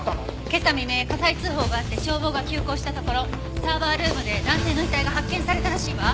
今朝未明火災通報があって消防が急行したところサーバールームで男性の遺体が発見されたらしいわ。